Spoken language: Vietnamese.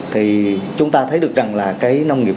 thì chúng ta thấy được rằng là cái nông nghiệp